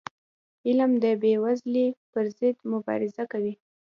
علم د بېوزلی پر ضد مبارزه کوي.